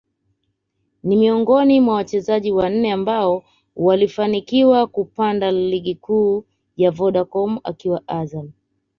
ni miongoni mwa wachezaji wanne ambao walifanikiwa kupanda Ligi Kuu ya Vodacom akiwa Azam